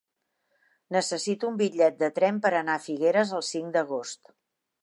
Necessito un bitllet de tren per anar a Figueres el cinc d'agost.